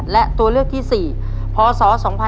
และตัวเลือกที่สี่พศ๒๕๔๙